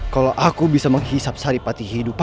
kau manusia biadab